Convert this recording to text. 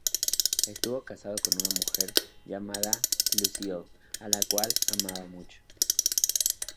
Estuvo casado con una mujer llamada Lucille a la cual amaba mucho.